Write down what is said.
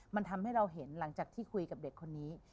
มันทำให้เราเห็นหลังจากที่คุยกับเด็กคนนี้